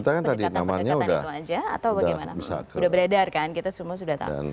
kita kan tadi namanya sudah berada kan kita semua sudah tahu